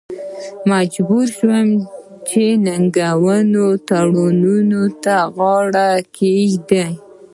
مجبور شو چې ننګینو تړونونو ته غاړه کېږدي.